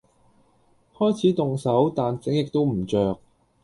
開始動手但整極都唔着